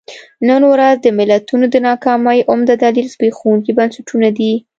نن ورځ د ملتونو د ناکامۍ عمده دلیل زبېښونکي بنسټونه دي.